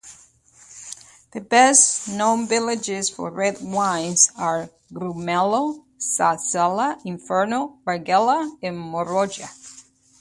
The best-known villages for red wines are: Grumello, Sassella, Inferno, Valgella, and Maroggia.